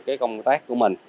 cái công tác của mình